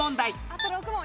あと６問。